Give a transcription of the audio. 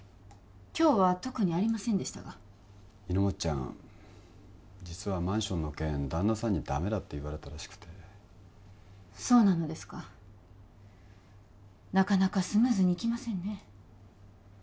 今日は特にありませんでしたがいのもっちゃん実はマンションの件旦那さんに「ダメだ」って言われたらしくてそうなのですかなかなかスムーズにいきませんね